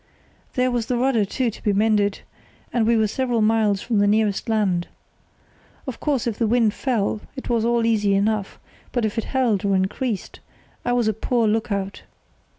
There was the rudder, too, to be mended; and we were several miles from the nearest land. Of course, if the wind fell, it was all easy enough; but if it held or increased it was a poor look out.